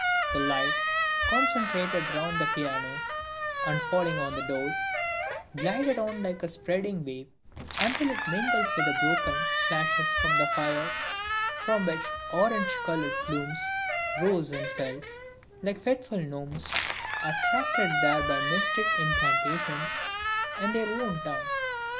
The light, concentrated round the piano and falling on the floor, glided on like a spreading wave until it mingled with the broken flashes from the fire, from which orange colored plumes rose and fell, like fitful gnomes, attracted there by mystic incantations in their own tongue.